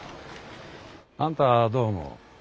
あんたはどう思う？